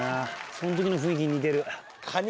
そん時の雰囲気に似てる。